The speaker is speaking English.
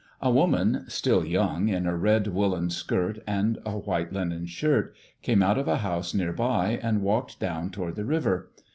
A woman, still young, in a red woollen skirt and a white linen shirt, came out of a house near by, and walked down toward the river.